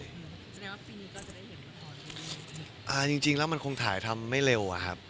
แสดงว่าปีนี้ก็จะได้เห็นละครอ่าจริงจริงแล้วมันคงถ่ายทำไม่เร็วอ่ะครับ